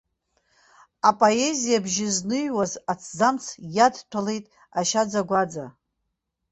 Апоезиа бжьы зныҩуаз аҭӡамц иадҭәалеит ашьаӡагәаӡа.